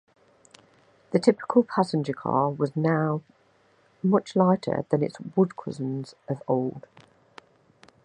The typical passenger car was now much lighter than its wood cousins of old.